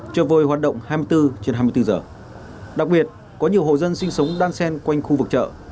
cho vơi hoạt động hai mươi bốn trên hai mươi bốn giờ đặc biệt có nhiều hộ dân sinh sống đan sen quanh khu vực chợ